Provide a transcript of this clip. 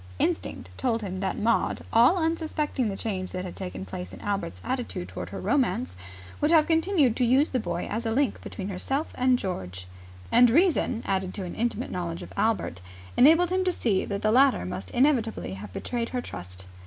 Instinct told him that Maud, all unsuspecting the change that had taken place in Albert's attitude toward her romance, would have continued to use the boy as a link between herself and George: and reason, added to an intimate knowledge of Albert, enabled him to see that the latter must inevitably have betrayed her trust.